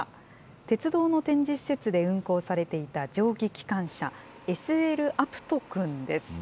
鉄道の展示施設で運行されていた蒸気機関車、ＳＬあぷとくんです。